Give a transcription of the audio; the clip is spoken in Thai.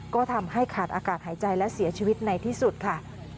ก็ทำให้ขาดอากาศหายใจและเสียชีวิตในที่สุดค่ะ